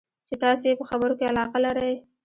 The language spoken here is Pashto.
چې تاسې یې په خبرو کې علاقه لرئ.